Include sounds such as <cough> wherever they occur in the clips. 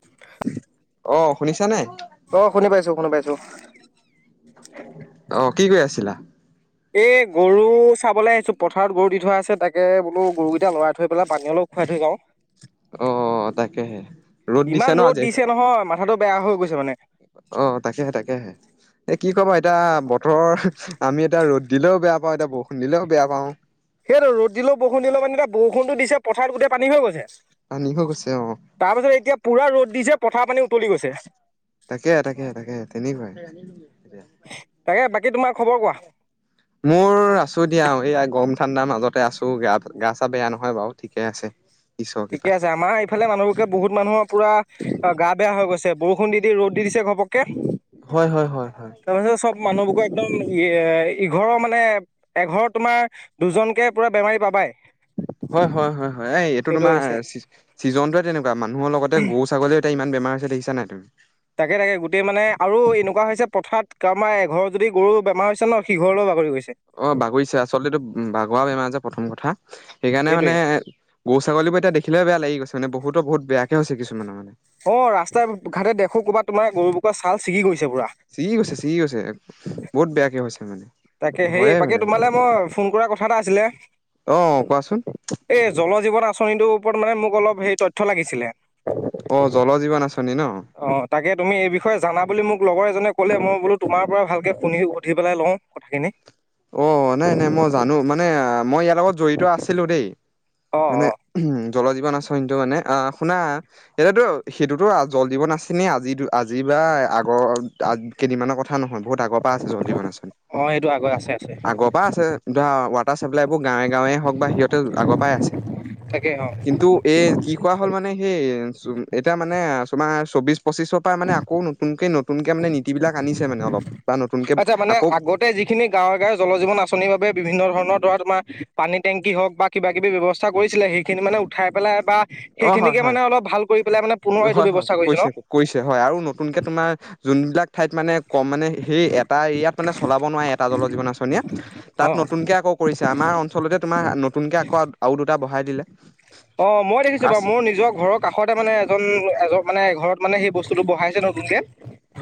তাকে। অঁ', -শুনিছা নাই? অ' শুনি পাইছোঁ-শুনি পাইছোঁ। অঁ', কি কৰি আছিলা? এ' গৰু চাবলৈ আহিছোঁ, পথাৰত গৰু দি থোৱা আছে তাকে বোলো গৰুকেইটা লৰাই থৈ পেলাই পানী অলপ- খোৱাই থৈ যাওঁ। অ তাকেহে ৰ'দ দিছে ন ইমান আজি ৰ'দ দিছে নহয় মা- থাটো বেয়া হৈ গৈছে মানে। অঁ', -তাকেহে-তাকেহে। এ' কি কবা এতিয়া বতৰৰ আমি এতিয়া ৰ'দ দিলেও বেয়া পাওঁ, এতিয়া বৰষুণ দিলেও বেয়া পাওঁ। সেইটো, ৰ'দ দিলেও, বৰষুণি দিলেও পানী বৰষুণতো দিছে পথাৰত গোটেই পানী হৈ গৈছে। পানী হৈ গৈছে অঁ',। তাৰপিছত এতিয়া পুৰা ৰ'দ দিছে পথাৰ পানী উতলি গৈছে। তাকে-তাকে-তাকে তেনেকুৱাই এতিয়া। তাকে বাকী তোমাৰ খবৰ কোৱা মোৰ আছো দিয়া, এইয়া গৰম ঠাণ্ডাৰ মাজতে আছো গা, গা-চা বেয়া নহয় বাৰু। ঠিকে আছে। ঈশ্বৰৰ ঠিকে কৃপাত আছে। আমাৰ- এইফালে মানুহবোৰকে বহুত মানুহৰ পুৰা গা বেয়া হৈ গৈছে, বৰষুণ দি-দি ৰ'দ দি দিছে ঘপককে। হয়-হয়-হয়-হয়। তাৰপিছত চব মানুহবোৰো একদম ইঘৰৰ মানে- এঘৰত তোমাৰ দুজনকে পুৰা বেমাৰী পাবাই। হয়-হয়-হয়-হয়। এই এইটো সেইটো হৈছে তোমাৰ- চিজনোৱে তেনেকুৱা, মানুহৰ লগতে গৰু-ছাগলীও এতিয়া ইমান বেমাৰ হৈছে দেখিছা নাই তুমি। তাকে-তাকে, গোটেই মানে আৰু এনেকুৱা হৈছে পথাৰত কাৰোবাৰ এঘৰৰ যদি গৰু বেমাৰ হৈছে ন' সিঘৰলৈও বাকৰি গৈছে। অঁ', -বাগৰিছে, আচলতে এইটো বাগৰা বেমাৰ যে প্ৰথম কথা। সেইকাৰণে সেইটোৱে মানে- গৰু-ছাগলীবোৰ এতিয়া দেখিলেই বেয়া লাগি গৈছে ন' বহুতৰ বহুত বেয়াকে হৈছে কিছুমানৰ মানে। অঁ', -ৰাস্তা-ঘাট দেখো কৰ'বাত তোমাৰ গৰুবোৰক ছাল ছিগি গৈছে পুৰা। চিগি গৈছে-চিগি গৈছে, বহুত বেয়াকে হৈছে মানে। তাকে, সেই হয়ে বাকী মানে এইটো তোমালে মই ফোন কৰাৰ কথা এটা আছিলে। অ কোৱাচোন এই জল-জীৱন আঁচনিটোৰ ওপৰত মানে মোক অলপ সেই তথ্য লাগিছিলে। অ' জল-জীৱন আঁচনি ন'। অঁ', -তাকে, তুমি এই বিষয়ে জানা বুলি মোক লগৰ এজনে ক'লে মই বোলো তোমাৰ পৰা ভালকে শুনি সুধি পেলাই লওঁ- কথাখিনি। অ', -নাই-নাই মই জানো, মানে মই ইয়াৰ লগত জড়িত আছিলো দেই, অ' মানে- অ' উম, জল-জীৱন আচনিতো মানে আঁহ', শুনা এতিয়াতো সেইটোতো জল জীৱন আছেনে আজি আজি বা আগৰ কেইদিনৰ কথা নহয় বহুত আগৰ পৰা আছে <unintelligible> অ' সেইটো আগত আছে। আছে আগৰ পৰা আছে। ধৰা ৱাটাৰ চাপ্লাই বোৰ গাঁৱে গাঁৱে হওঁক বা সিহঁতে আগৰ পৰাই আছে। তাকে অ'। কিন্তু এই কি কৰা হ'ল মানে সেই এতিয়া মানে তোমাৰ চৌব্বিছ পঁচিছৰ পৰা মানে আ কৌ নতুনকে নতুনকে মানে নীতি বিলাক আনিছে মানে অলপ বা নতুনকে আচ্ছা মানে আকৌ। আগতে যিখিনি গাঁৱে গাঁৱৰ জল জীৱন আঁচনিৰ বাবে বিভিন্ন ধৰণৰ ধৰা তোমাৰ পানী টেংকি হওক বা কিবা কিবি ব্যৱস্থা কৰিছিলে সেইখিনি মানে উঠাই পেলাই বা অ হয় সেইখিনিকে হয় মানে অলপ ভাল কৰি পেলাই মানে পুনৰ এইটো ব্যৱস্থা কৰিছে ন। কৰিছে হয় আৰু নতুনকে তোমাৰ যোনবিলাক ঠাইত মানে কম মানে সেই এটা এৰিয়াত মানে চলাব নোৱাৰে এটা জল জীৱন আঁচনিয়ে অ তাত নতুনকে আকৌ কৰিছে আমাৰ অঞ্চলতে তোমাৰ নতুনকৈ আকৌ আৰু দুটা বঢ়াই দিলে। অ' মই দেখিছো আছ বাৰু মোৰ নিজৰ ঘৰত। কাষতে মানে এজন, এজন মানে এঘৰত মানে সেই বস্তুটো বহাইছে নতুনকে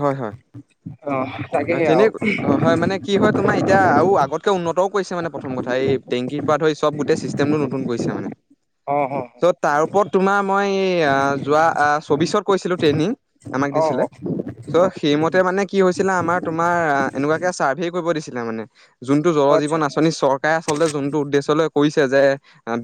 হয় হয় অ' তাকে তেনে অ হয় আৰু। মানে কি হয় তোমাৰ এতিয়া আৰু আগতকে উন্নতও কৰিছে মানে প্ৰথম কথা এই টেংকিৰ পৰা ধৰি চব গোটেই চিষ্টেমটো নতুন কৰিছে মানে। অ', অ'। ত' তাৰ ওপৰত তোমাৰ মই যোৱা চৌবিশত কৈছিলো ট্ৰেইনিং আমাক অ অ দিছিলে। অ চ' সেইমতে মানে কি হৈছিলে আমাৰ তোমাৰ এনেকুৱাকে চাৰ্ভে কৰিব দিছিলে মানে। যোনটো জল আচ্ছা জীৱন আঁচনি চৰ <unintelligible> আচলতে যোনটো উদ্দেশ্য লৈ কৈছে যে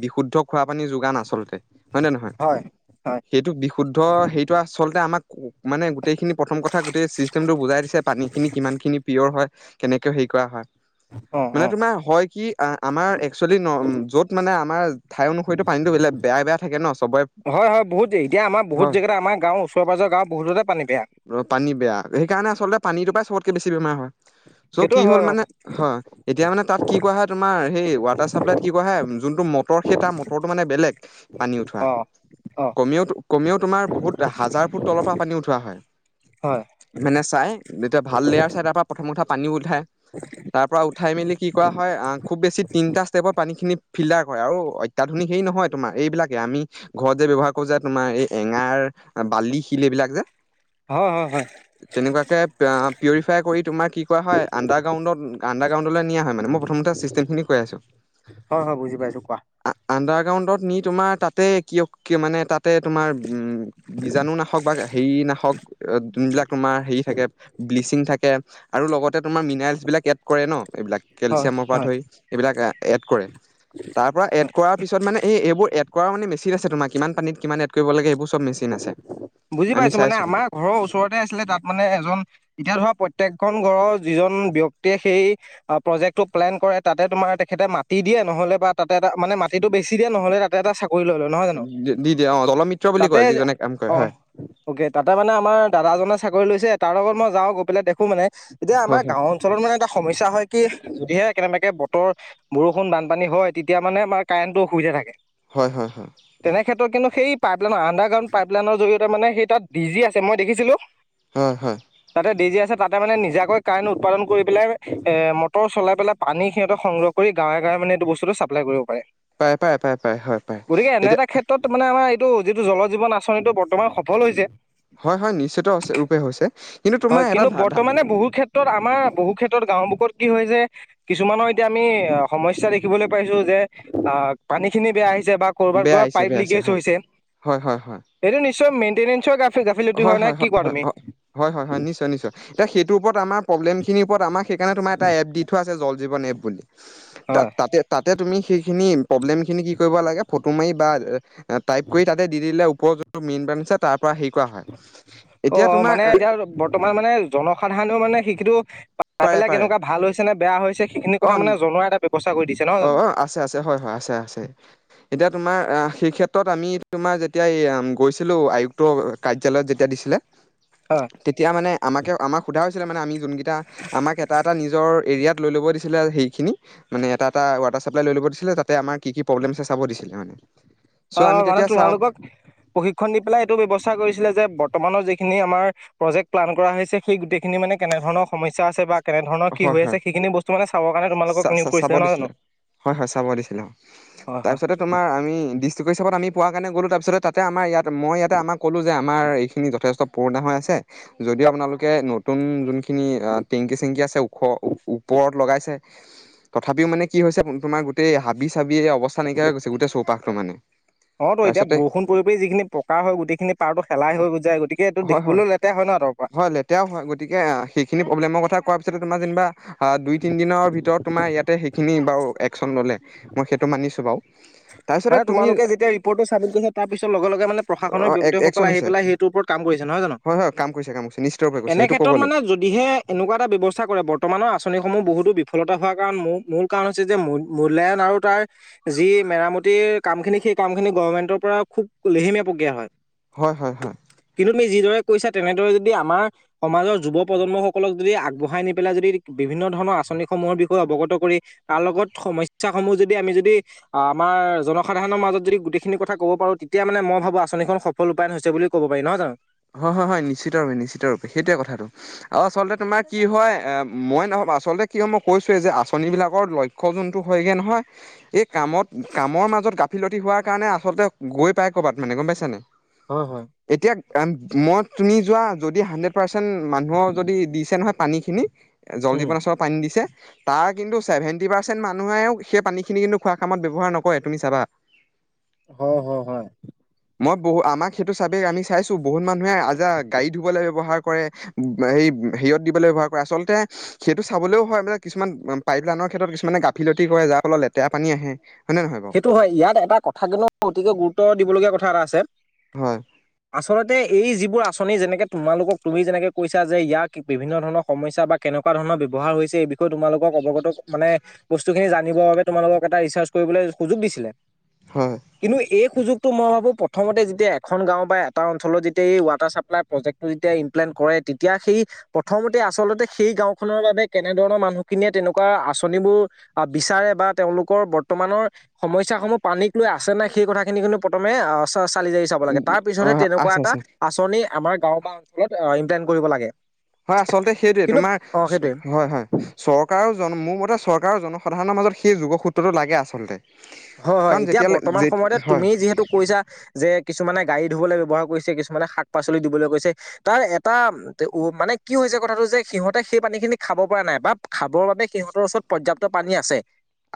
বিশুদ্ধ খোৱা পানী যোগান আচলতে। হয় নে নহয়? হয়, হয়। সেইটো বিশুদ্ধ, সেইটো আচলতে আমাক মানে গোটেইখিনি প্ৰথম কথা গোটেই ছিষ্টেমটো বুজাই দিছে পানীখিনি কিমানখিনি পিয়'ৰ হয় কেনেকৈ হেৰি কৰা হয়। <unintelligible> মানে তোমাৰ হয় কি আমাৰ এক্চুৱেলি য'ত মানে আমাৰ ঠাই অনুসৰিটো পানীটো বেলে বেয়া বেয়া থাকে ন চবৰে। হয় হয় বহুতেই এতিয়া আমাৰ বহুত হয় জেগাত আমাৰ গাঁও ওচৰ পাজৰ গাঁও বহুততে পানী বেয়া। পানী বেয়া সেইকাৰণে আচলতে পানীটোৰপৰা চবতকে বেছি বেমাৰ হয় চ' সেইটো কি হয় হ'ল অ মানে হয়। এতিয়া মানে তাত কি কৰা হয় তোমাৰ সেই ৱাটাৰ চাপ্লাইত কি কৰা হয়, যোনটো মটৰ সেই তাৰ মটৰটো মানে বেলেগ পানী উঠোৱা অ অ কমেও- কমেও তোমাৰ বহুত হাজাৰ ফুট তলৰ পৰা পানী উঠোৱা হয়। হয়। মানে চাই যেতিয়া ভাল লেয়াৰ চাই তাৰ পৰা প্ৰথম কথা পানীও উঠাই। তাৰ পৰা উঠাই মেলি কি কৰা হয় আহ, খুব বেছি তিনিটা ষ্টেপত পানী খিনি ফিল্টাৰ কৰে আৰু অত্যাধুনিক হেৰি নহয় তোমাৰ এইবিলাকে আমি ঘৰত যে ব্যৱহাৰ কৰো যে তোমাৰ এই এঙাৰ, বালি, শিল এইবিলাক যে হয়, হয়, হয়। তেনেকুৱাকে পিউৰিফাই কৰি তোমাৰ কি কৰা হয় আন্ডাৰ গ্ৰাউণ্ডত, আন্ডাৰ গ্ৰাউণ্ডলৈ নিয়া হয় মানে, মই প্ৰথমতে <unintelligible> খিনি কৈ আছো। হয়, হয় বুজি পাইছো কোৱা। আণ্ডাৰ গ্ৰাউণ্ডত নি তোমাৰ তাতে কি কিয় মানে তাতে তোমাৰ উম বীজাণু নাশক বা হেৰি নাখশক যোনবিলাক তোমাৰ হেৰি থাকে ব্লিচিং থাকে আৰু লগতে তোমাৰ মিনাৰলছ বিলাক এড কৰে ন এইবিলাক হয় কেলচিয়ামৰ পৰা হয় ধৰি, এইবিলাক এড কৰে, তাৰ পৰা এড কৰাৰ পিছত মানে এইবোৰ এড কৰা মানে মেচিন আছে তোমাৰ কিমান পানীত কিমান এড কৰিব লাগে। চব মেচিন আছে বুজি পাইছো আমি মানে চাইছো বুলি আমাৰ ঘৰৰ ওচৰতে আছিলে তাত মানে এজন এতিয়া ধৰা প্ৰত্যেকখন ঘৰৰ যিজন ব্যাক্তিযে সেই অ প্ৰজেক্টটো প্লেন কৰে তাতে তোমাৰ তেখেতে মাটি দিয়ে নহলে বা তাতে মানে মাটিটো বেছি দিয়ে নহ'লে ত কিবা এটা চাকৰি লৈ লয় নহয় জানো দি দিয়ে অ' দল মিত্ৰ বুলি তাতে কয় যিজনে কাম কৰে অ হয়। অকে তাতে মানে আমাৰ দাদাজনে চাকৰি লৈছে তাৰ লগত মই যাওঁ গৈ পেলাই দেখো মানে এতিয়া হয় আমাৰ গাঁৱত আচলত মানে এটা সমস্যা হয় কি যদিহে কেনেবাকে বতৰ বৰষুণ বানপানী হয় তেতিয়া মানে আমাৰ কাৰেণ্টো অসুবিধা থাকে হয় হয় হয়। তেনেক্ষেত্ৰত কিন্তু সেই পাইপলাইনৰ আণ্ডাৰগ্ৰাউণ্ড পাইপলাইনৰ জৰীয়েতে সেই তাত ডিজি আছে মই দেখিছিলো হয় হয়। তাতে ডজী আছে তাতে মানে নিজাকৈ কাৰেণ্ট উৎপাদন কৰি পেলাই এ মটৰ চলাই পেলাই পানী সিহঁতে সংৰক্ষ গাঁৱে গৱ মানে এইটো বস্তুটো চাপ্লাই কৰিব পাৰে। পায়, পায়, পায়, পায়, হয় পায় গতিকে এনে এতিয়া এটা ক্ষেত্ৰত মানে আমাৰ এইটো যিটো জল জীৱন আঁচনিটো বৰ্তমান সফল হৈছে হয় হয় নিশ্চিত ৰূপে হৈছে, কিন্তু তোমাৰ এটা ধা মানে বহু ক্ষেত্ৰত ক্ষেত্ৰত আমাৰ বহু ক্ষেত্ৰত গাঁও বুত কি হয় যে কিছুমানৰ এতিয়া আমি সমস্যা দেখিবলৈ পাইছো যে আহ পানী খিনি বেয়া আহিছে বা ক'ৰবাত বেয়া ধৰা আহিছে পাইপ বেয়া আহিছে লিকেজ হৈছে হয় হয় হয়। এইটো নিশ্চয় মেইটেনেঞ্চৰা হয় হয় হয় হয় হয় হয় হয় নিশ্চয় নিশ্চয় এতিয়া সেইটোৰ ওপৰত আমাৰ প্ৰব্লেম খিনিৰ ওপৰত আমাক সেইকাৰণে তোমাৰ এটা এপ দি থোৱা আছে জল জীৱন এপ বুলি হয় তাত তাতে তাতে তুমি সেইখিনি প্ৰব্লেম খিনি কি কৰিব লাগে ফটো মাৰি বা টাইপ কৰি তাতে দি দিলে ওপৰৰ যোনটো মেইন বানিছে তাৰ পৰা হেৰি কৰা হয় অ এতিয়া মানে তোমাৰ এতিয়া বৰ্তমান মানে জনসাধাৰণেও মানে শিখিটো পাই পাৰে পেলাই পাৰে কেনেকুৱা ভাল হৈছে নে বেয়া হৈছে সেইখিনি অ কথা মানে জনোৱাৰ এটা ব্যৱস্থা কৰি দিছে নহয় অ জানো অ আছে আছে হয় হয় আছে আছে। এতিয়া তোমাৰ সেই ক্ষেত্ৰত আমি তোমাৰ যেতিয়া এই গৈছিলোঁ আয়ুক্ত কাৰ্যালয়ত যেতিয়া দিছিলে অ'। তেতিয়া মানে আমাকে আমাক সোধা হৈছিলে মানে আমি যোনকেইটা আমাক এটা এটা নিজৰ এৰিয়াত লৈ ল'ব দি ছিলে সেইখিনি মান চাপ ল ল দিছিলে ততে দিছে মানে <inaudible> আমি অ' মানে তেতিয়া চাওঁ তোমালোকক প্ৰশিক্ষণ দি পেলাই এইটো ব্য্ৱস্থা কৰিছিলে যে বৰ্তমানৰ যিখিনি আমাৰ প্ৰজেক্ট প্লান কৰা হৈছে সেই গোটেইখিনি মানে কেনেধৰণৰ সমস্যা আছে বা কেনেধৰণৰ কি হয় হৈ হয় আছে সেইখিনি বস্তু মান চৰ কাৰণে চা তোমোকক চা নিয়োগ চাব কৰিছিলে নহ দিছিলে জানো? হয় হয় চাব দিছিলো, অ' হয় হয়। তাৰপিছতে তোমাৰম ডিষ্ট্ৰিক্ট হিচাপ আম পোৱাৰ কাৰণে গ'লো তাৰিছতো আমাৰ ইয়াত মই ইয়াতে আমাক ক'লো যে আমাৰ এইখিনি যথষ্ট পুৰণা হৈ আছে যদিও আপোনালোকে নতুন যোনখিনি টেংকি চেংকি আছে ওখ ওপৰত লগাইছে তথাপিও মানে কি হৈছে তোমাৰ গোটেই হাবি চাবিয়ে অৱা নকিয় হৈ গৈছে গোটেই চৌপাশটো মানে অ তো এতিয়া তাৰপিছতে বৰষুণ পৰি যিখিনি প্ৰকাৰ হয় গোটেইখিনি পাৰটো শেলাই হৈ গু যায় গতিকে এইটো দেখিবলৈ লেতেৰা হয় ন তাৰ পৰা লেতেয়াও হয় গতিকে সেইখিনি প্ৰব্লেমৰ কথা কোৱাৰ পিছত তোমাৰ যেনিবা অ দুই তিনি দিনৰ ভিতৰত তোমাৰ ইয়াতে সেইখিনি বাৰু একশচন ললে মই সেইটো মানিছো বাৰু তাৰপিছতে মানে তুমি তোমোলোকে যেতিয়া ৰিপৰ্টটো ছাবমিটছে তাৰ পিছ লগোনে অ প্ৰশনৰ একচন ব্যক্তসকল আহি হৈছে পেলাই সেইটো ওপৰত কাম কৰিছে নহয় জো হয় হয় কামছে কাম কৰিছে নিশ্চৰূপে কৈছে সেইটো ক' মানে লাগ যদিহে এনেকুৱা এটা ব্যৱস্থা কৰে বৰ্তমানৰ আঁচনিসমূহ বহুতো বিফলতা হোৱাৰ কাৰণ মোল মোল কাৰণ হৈছে যে মু মূ মূ্ল্যায়ন আৰু তাৰ যি মেৰামতি গোটেই কাম খিনি সেই কামখিনি গভণমেন্টৰ পৰা খুব লেহেমীয়া প্ৰক্ৰিয়া হয় হয় হয় হয় কিন্তু তুমি যিদৰে কৈছা তেনেদৰে যদি আমাৰ সমাজৰ যুৱ প্ৰজন্মসকলক যদি আগবঢ়াই নি পেলাই যদি বিভিন্ন ধৰণৰ আঁচনিসমূহৰ বিষয়ে অৱগত কৰি তাৰ লগত সমস্যা সমূহ যদি আমি যদি আহ আমাৰ জনসাধাৰণৰ মাজত যদি গোটেইখিনি কথা ক'ব পাৰো তেতিয়া মানে মই ভাবোঁ আচনিখন সফল ৰূপায়ণ হৈছে বুলি কব পাৰি নহয় জানো হয় হয় হয় নিশ্চিত ৰূপে নিশ্চিত ৰূপে সেইটোৱে কথাটো আৰু আচলতে তোমাৰ কি হয় আহ মই নহয় আচলতে কি হয় মই কৈছোৱে যে আঁচনি বিলাকৰ লক্ষ ক যোনটো হয়গে নহয় এই কামত কামৰ মাজত গাফিলতি হোৱাৰ কাৰণে আচলতে গৈ পাই ক'ৰবাত মানে গম পাইছা নাই হয় হয় এতিয়া কাৰন মই তুমি যোৱা যদি হাড্ৰেড পাৰ্চেণ্ট মানুহৰ যদি দিছে নহয় পানীখিনি জল উম, জীৱন ওচৰৰ পানী দিছে তাৰ কিন্তু চেভেনণ্টি পাৰ্চেণ্ট মানুহেও সেই পানীখিনি কিন্তু খোৱা কামত ব্যৱহাৰ নকৰে তুমি চাবা হয় হয় হয় মই বহু আমাক সেইটো চাইডে আমি চাইছো বহুত মানুহে আ যা গাড়ী ধুবলৈ ব্যৱহাৰ কৰে এই হেৰিয়ত দিবলে ব্যৱহাৰ কৰে আচলতে সেইটো চাবলৈও হয় মানে কিছুমান পাইপ লাইনৰ ক্ষেত্ৰত কিছুমানে গাফিলতি কৰে যাৰ ফলত লেতেৰা পানী আহে হয় নে নহয় বাৰু সেইটো হয় ইয়াত এটা কথা কিন্তু অতিকে গুৰুত্ব দিব লগীয়া কথা এটা আছে হয় আচলতে এই যিবোৰ আঁচনি যেনেকে তোমালোকক তুমি যেনেকে কৈছা যে ইয়াক বিভিন্ন ধৰণৰ সমস্যা বা কেনেকুৱা ধৰণৰ ব্যৱহাৰ হৈছে এই বিষয়ে তোমালোকক অৱগত মানে বস্তুখিনি জানিবৰ বাবে তোমালোকক এটা ৰিচাৰ্চ কৰিবলৈ সুযোগ দিছিলে হয় কিন্তু এই সুযোগটো মই ভাবো প্ৰথমতে যেতিয়া এখন গাঁও বা এটা অঞ্চলত যেতিয়া এই ৱাটাৰ চাপ্লাই প্ৰজেক্ট যেতিয়া ইমপ্লেনট কৰে তেতিয়া সেই প্ৰথমতে আচলতে সেই গাওঁখনৰ বাবে কেনেধৰণৰ মানুহখিনিয়ে তেনেকুৱা আঁচনিবোৰ আ বিচাৰে বা তেওঁলোকৰ বৰ্তমানৰ সমস্যাসমূহ পানীক লৈ আছে নে নাই সেই কথাখিনি কিন্তু প্ৰথমে আ চালি জাৰি চাব লাগে তাৰ অ পিছতহে তেনেকুৱা আছে এটা আছে আচনি আমাৰ গাওঁ‌‌ বা অঞ্চলত ইমপ্লেনট কৰিব লাগে হয় আচলতে সেইটোৱে কিন্তু তোমাৰ অ সেইটোৱে হয় হয় চৰকাৰৰ জন মোৰ মতে চৰকাৰৰ জনসাধাৰণৰ মাজত সেই যোগসূত্ৰটো লাগে আচলতে হয় হয় কাৰণ এতিয়া যেতিয়ালৈ বৰ্তমান যে সময়তে হয় তুমি যিহেতু কৈছা যে কিছুমানে গাড়ী ধুবলৈ ব্যৱহাৰ কৰিছে কিছুমানে শাক - পাচলি দিবলৈ কৰিছে তাৰ এটা উ মানে কি হৈছে কথাটো যে সিহঁতে সেই পানী খিনি খাব পৰা নাই বা খাবৰ বাবে সিহঁতৰ ওচৰত পৰ্যাপ্ত পানী আছে।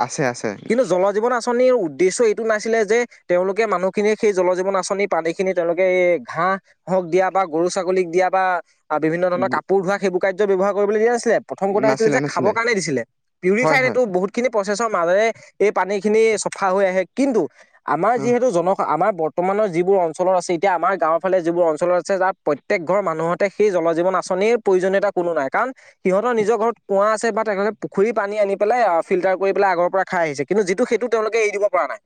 আছে আছে। কিন্ত জল -জীৱন আচ আঁচনিৰ উদ্দেশ্য এইটো নাছিলে যে তেওঁলোকে মানুহখিনিৰ সেই জল, জীৱন, আঁচনিৰ পানী, খিনি তেওঁলোকে এই ঘাঁহ হক দিয়া বা গৰু, ছাগলীক, দিয়া বা বিভিন্ন ধৰণৰ কাপোৰ, ধোৱা সেইবোৰ কাৰ্য ব্যৱহাৰ কৰিবলৈ দিয়া নাছিলে। প্ৰথম কথা হৈছিল নাছিলে যে খাবৰ নাছিলে কাৰণে দিছিলে হয় পিউৰিফাই, হয় এইটো বহুত খিনি প্ৰচেছৰ মাজেৰে এই পানী খিন চফা হৈ আহে কিন্তু আমাৰ অ যিহেতু জন সা আমাৰ বৰ্ত বৰ্তমানৰ যিবোৰ অঞ্চলত আছে এতিয়া আমাৰ গাঁৱৰ, ফালে যিবোৰ অঞ্চত আছে যাৰ প্ৰত্যেক ঘৰ মানুহতে সেই জল, জীৱন আঁচনিৰ- প্ৰয়োজনীয়তা কোনো নাই কাৰণ সিহঁতৰ নিজৰ ঘৰত কুঁৱা, আছে বা তেখেতৰ পুখুৰী, পানী আনি পেলাই ফিল্টাৰ, কৰি পেলাই আগৰ পৰা খাই আহিছে কিন্তু যিটো সেইটো তেওঁলোকে এৰি দিব পৰা নাই।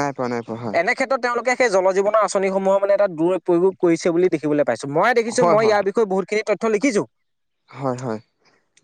নাই পৰা নাই পৰা হয়। এনেক্ষেত্ৰত তেওঁলোকে সেই জল, জীৱনৰ আঁচনিসমূহৰ মানে এটা দূৰপয়োগ কৰিছে বুলি দেখিবলৈ পাইছো মই দেখিছো হয় মই হয় ইয়াৰ বিষয়ে বহুত খিনি তথ্য লিখিছো। হয় হয়।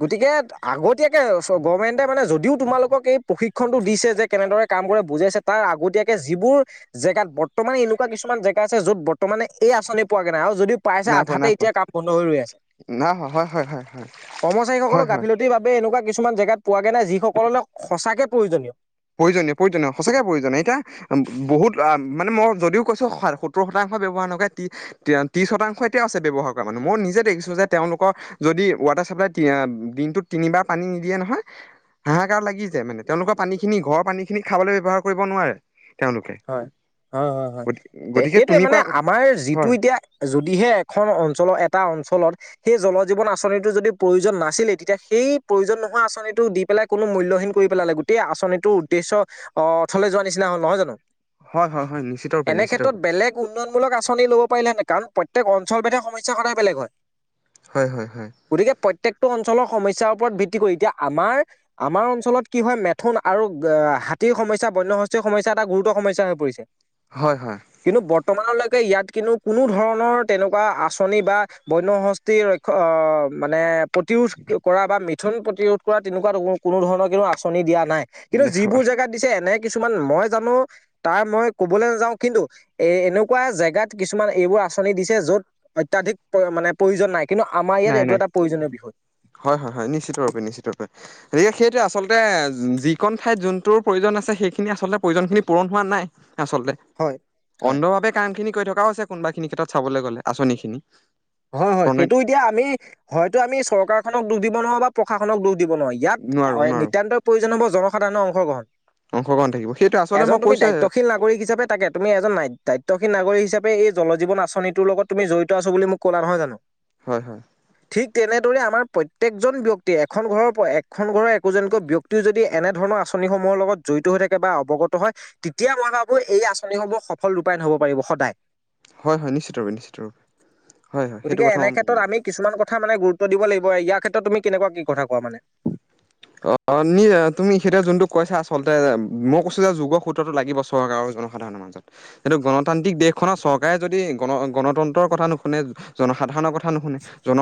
গতিকে আগতীয়াকে চ গভমেণ্টে, মানে যদিও তোমালোকক এই প্ৰশিক্ষণটো দিছে যে। কেনেদৰে কাম কৰে বুজাইছে তাৰ আগতীয়াকে যিবোৰ জেগাত বৰ্তমানে এনেকুৱা কিছুমান জেগা আছে য'ত বৰ্তমানে এই আঁচনি, পোৱাগে নাই আৰু যদি পাইছে নাই পোৱা আধাতে নাই পোৱা এতিয়া কাম বন্ধ হৈ ৰৈ আছে নাই হয় হয় হয় হয় হয় কৰ্মচাৰীসকলক হয় হয় গাফিলত লতিৰ বাবে এনেকুৱা কিছুমান জেগাত পোৱাগে নাই যিসকলৰ ন সঁচাকে প্ৰয়োজনীয়। প্ৰয়োজনীয় প্ৰয়োজনীয় সঁচাকে প্ৰয়োজনীয় এতিয়া। বহুত আ মানে মই যদিও কৈছো সাত সত্তৰ শতাংশ ব্যৱহাৰ নকৰে তি এতিয়া ত্ৰিশ শতাংশ এতিয়াও আছে ব্যৱহাৰ কৰা মানুহ মই নিজে দেখিছোঁ যে তেওঁলোকৰ যদি ৱাটাৰ চাপ্লাই, তি আ দিনটোত তিনিবাৰ পানী নিদিয়ে নহয়। হাঁহাকাৰ লাগি যায়‌ মানে তেওঁলোকৰ পানী খিনি ঘৰৰ পানী খিনি খাবলৈ ব্যৱহাৰ কৰিব নোৱাৰে। তেওঁলোকে হয় হয় হয় হয় গতি এ গতিকে সেইটোৱে তুমি মানে কোৱা আমাৰ যিটো হয় এতিয়া। যদিহে এখন অঞ্চলৰ এটা অঞ্চলত সেই জল জীৱন আঁচনিটো যদি প্ৰয়োজন নাছিলেই তেতিয়া সেই প্ৰয়োজন নোহোৱা আঁচনিটো দি। পেলাই কোনো মূল্যহীন কৰি পেলালে গোটেই আচনিটো উ্দেশ্য অ অথলে যোৱা নিচিনা হ'ল নহয় জানো। হয় হয় হয় নিশ্চয়। এনে ক্ষেত্ৰত বেলেগ উন্নয়নমূলক আচনি, ল'ব পাৰিলেহেতেন‌ কাৰণ প্ৰত্যেক অঞ্চলভেদে সমস্যা সদাই বেলেগ হয়। হয় হয় হয়। গতিকে প্ৰত্যেকটো অঞ্চলৰ সমস্যাৰ ওপৰত ভিত্তি কৰি এতিয়া আমাৰ আমাৰ অঞ্চলত কি হয় মেথোন, আৰু আহ হাতীৰ, সমস্যা বন্য হস্তীৰ সমস্যা এটা গুৰুত্ব সমস্যা হৈ পৰিছে। হয় হয়। কিন্তু বৰ্তমানলৈকে ইয়াত কিন্তু কোনো ধৰণৰ তেনেকুৱা আঁচনি বা বন্য হস্ত। যি ৰক্ষ অ মানে। প্ৰতিৰোধ কৰা বা মিথোন, প্ৰতিৰোধ কৰা তেনেকুৱা কোনো ধৰণৰ কন্তু আঁচনি দিয়া নাই। কিন্তু দেখাবা যিবোৰ জেগাত দিছে এনে কিছুমান মই জানো। তাৰ মই ক'বলৈ নাযাওঁ কিন্তু এ এনেকুৱা জেগাত কিছুমান এইবোৰ আঁচনি, দিছে য'ত অত্যাধিক মানে প্ৰয়োজন নাই কিন্তু আমাৰ নাই ইয়াত এইটো নাই এটা প্ৰয়োজনীয় বিষয়। হয় হয় হয় নিশ্চিতৰূপে- নিশ্চিতৰূপে। এইয়া সেইটোৱে আচলতে যিকণ ঠাইত যোনটোৰ প্ৰয়োজন আছে সেইখিনি আচলতে প্ৰয়োজনখিনি পূৰণ হোৱা নাই। আচলতে হয়, হয়, অন্ধভাৱে কাম খিনি কৰি থকাও আছে কোনোবা খিনি ক্ষেত্ৰত চাবলৈ গ'লে আচনি, খিনি। হয় হয় সেইটো এতিয়া আমি হয়তো আমি চৰকাৰখনক দোষ দিব নোৱাৰো বা প্ৰশাসনক দোষ দিব নোৱাৰি। ইয়াত নোৱাৰো নোৱাৰো নিতান্তই প্ৰয়োজন হ'ব জনসাধাৰণৰ অংশগ্ৰহণ। অংশগ্ৰহণ থাকিব সেইটো আচলতে এজন মই তুমি কৈছোৱে দায়িত্বশীল নাগৰিক হিচাপে তাকে তুমি এজন নাইত দায়িত্বশীল নাগৰীক হিচাপে এই জল জীৱন আঁচনিটোৰ লগত তুমি জড়িত আছো বুলি মোক ক'লা নহয় জানো? হয়, হয়। ঠিক তেনেদৰে আমাৰ প্ৰত্যয়েকজন ব্যক্তিয়ে এখন ঘৰৰ পৰা এখন ঘৰৰ একোজনকৈ ব্যক্তি যদি এনেধৰণৰ আঁচনিসমূহৰ লগত জড়িত হৈ থাকে বা অৱগত হয়। তেতিয়া মই ভাবো এই আঁচনিসমূহ সফল ৰূপায়ণ হ'ব পাৰিব সদায়। হয়, হয়, নিশ্চিতৰূপে নিশ্চিতৰূপে হয় হয় গতিকে সেইটো এনে কথা মই ক্ষেত্ৰত ভাবো। আমি কিছুমান কথা মানে গুৰুত্ব দিব লাগিব। ইয়াৰ ক্ষেত্ৰত তুমি কেনেকুৱা কি কথা কোৱা মানে? অ', নি তুমি সেইটোয়ে যোনটো কৈছা আচলতে মই কৈছো যে যোগৰ সূত্ৰটো লাগিব চৰকাৰ আৰু জনসাধাৰণৰ মাজত। সেইটো গণতান্ত্ৰিক দেশখনৰ চৰকাৰে যদি গণ গণতন্ত্ৰৰ কথা নুশুনে জনসাধাৰণৰ কথা থা নুশুনে জন